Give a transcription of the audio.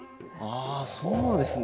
あそうですね。